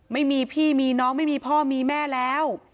ไม่มีพี่มีน้องไม่มีพ่อมีแม่แล้ว